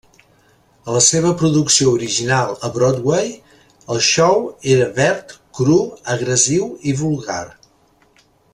A la seva producció original a Broadway, el show era verd, cru, agressiu i vulgar.